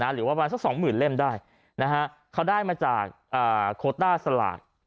หรือว่าประมาณสักสองหมื่นเล่มได้เขาได้มาจากโคต้าสลาก